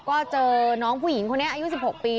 ก็เจอน้องผู้หญิงคนนี้อายุ๑๖ปี